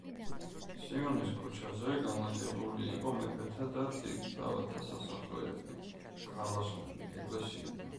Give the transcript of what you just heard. სიონის ქუჩაზე განლაგებული იყო მეფეთა და დიდ თავადთა სასახლეები, ქარვასლები, ეკლესიები.